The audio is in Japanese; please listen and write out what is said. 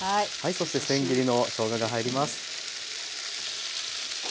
そしてせん切りのしょうがが入ります。